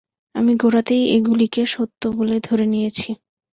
আমি গোড়াতেই এগুলিকে সত্য বলে ধরে নিয়েছি।